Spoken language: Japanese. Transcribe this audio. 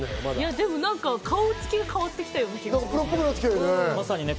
でも顔つきが変わってきた気がします。